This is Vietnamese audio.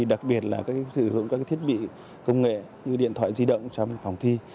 đặc biệt là các thiết bị công nghệ như điện thoại di động trong phòng thi